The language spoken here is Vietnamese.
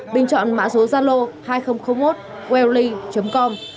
bình chọn mã số gia lô hai nghìn một welly com